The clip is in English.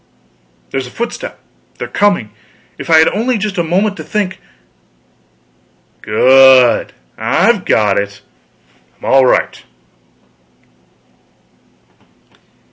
"There's a footstep! they're coming. If I had only just a moment to think.... Good, I've got it. I'm all right."